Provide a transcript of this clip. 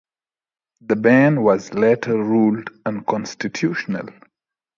The ban was later ruled unconstitutional.